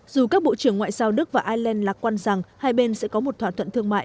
dù các bộ trưởng ngoại giao đức và ireland lạc quan rằng hai bên sẽ có một thỏa thuận thương mại